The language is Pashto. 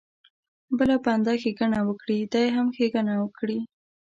بل بنده ښېګڼه وکړي دی هم ښېګڼه وکړي.